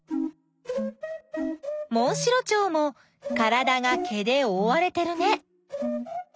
モンシロチョウもからだが毛でおおわれてるね。